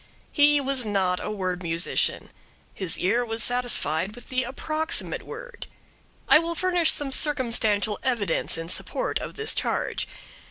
He was not a word musician. His ear was satisfied with the approximate word. I will furnish some circumstantial evidence in support of this charge.